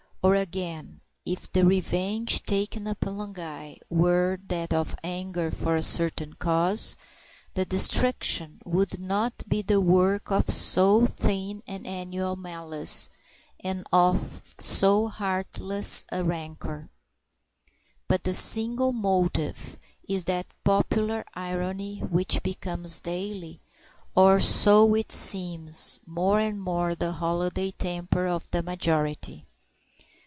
Or, again, if the revenge taken upon a guy were that of anger for a certain cause, the destruction would not be the work of so thin an annual malice and of so heartless a rancour. But the single motive is that popular irony which becomes daily or so it seems more and more the holiday temper of the majority.